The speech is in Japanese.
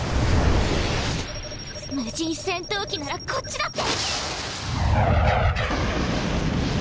無人戦闘機ならこっちだって！